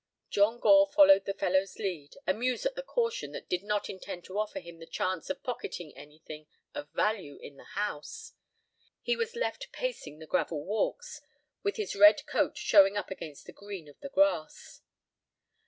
John Gore followed the fellow's lead, amused at the caution that did not intend to offer him the chance of pocketing anything of value in the house. He was left pacing the gravel walks, with his red coat showing up against the green of the grass.